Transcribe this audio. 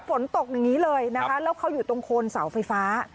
ฝนตกอย่างนี้เลยนะคะแล้วเขาอยู่ตรงโคนเสาไฟฟ้า